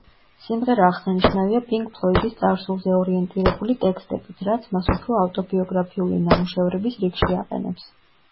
სიმღერა აღსანიშნავია პინკ ფლოიდის წარსულზე ორიენტირებული ტექსტებით, რაც მას უფრო ავტობიოგრაფიული ნამუშევრების რიგში აყენებს.